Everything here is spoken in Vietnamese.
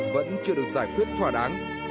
vẫn chưa được giải quyết thỏa đáng